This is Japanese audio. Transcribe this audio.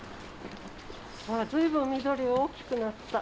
あら随分緑が大きくなった。